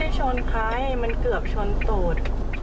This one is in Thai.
ไม่ได้ชนใครมันเกือบชนตูด